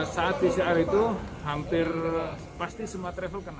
saat pcr itu hampir pasti semua travel kena